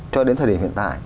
cho đến thời điểm hiện tại